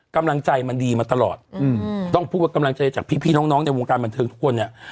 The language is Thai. กำลังใจมันดีมาตลอดอืมต้องพูดว่ากำลังใจจากพี่น้องในวงการบันเทิงทุกคนเนี่ย